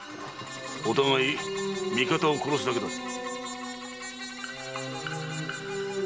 お互い味方を殺すだけだぞ。